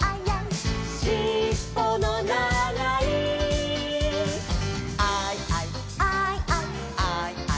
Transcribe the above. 「しっぽのながい」「アイアイ」「」「アイアイ」「」